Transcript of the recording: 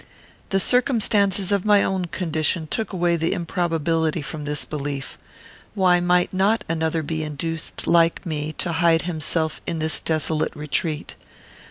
The circumstances of my own condition took away the improbability from this belief. Why might not another be induced like me to hide himself in this desolate retreat?